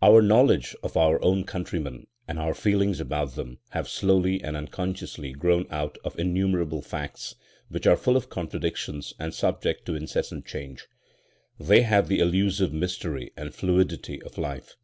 Our knowledge of our own countrymen and our feelings about them have slowly and unconsciously grown out of innumerable facts which are full of contradictions and subject to incessant change. They have the elusive mystery and fluidity of life.